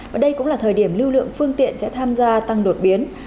và đây cũng là thời điểm lưu lượng phương tiện sẽ tham gia tăng đột biến